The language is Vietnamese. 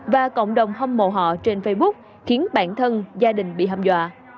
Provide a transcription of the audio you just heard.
và cộng đồng hâm mộ họ trên facebook khiến bản thân gia đình bị hâm dọa